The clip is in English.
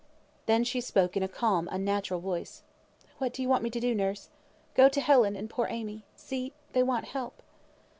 Then she spoke in a calm unnatural voice. "What do you want me to do, nurse? Go to Helen and poor Amy. See, they want help."